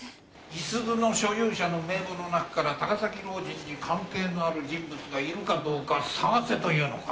五十鈴の所有者の名簿の中から高崎老人に関係のある人物がいるかどうか探せというのか？